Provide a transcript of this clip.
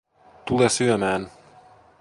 Tule syömään